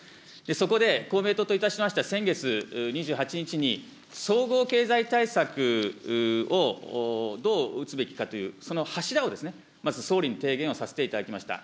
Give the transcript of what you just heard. そこで公明党といたしましては、先月２８日に、総合経済対策をどう打つべきかという、その柱を、まず総理に提言をさせていただきました。